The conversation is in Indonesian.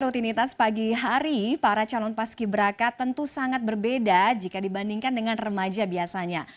rutinitas pagi hari para calon paski beraka tentu sangat berbeda jika dibandingkan dengan remaja biasanya